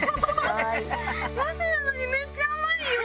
ナスなのにめっちゃ甘いよ。